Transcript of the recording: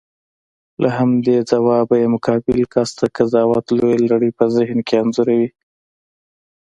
له همدې ځوابه یې مقابل کس د قضاوت لویه لړۍ په ذهن کې انځوروي.